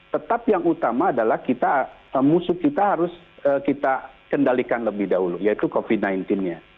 tetap yang utama adalah kita musuh kita harus kita kendalikan lebih dahulu yaitu covid sembilan belas nya